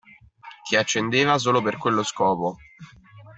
Che accendeva solo per quello scopo.